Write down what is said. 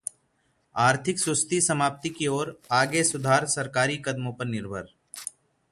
आर्थिक सुस्ती समाप्ति की ओर, आगे सुधार सरकारी कदमों पर निर्भर